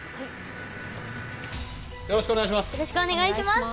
よろしくお願いします。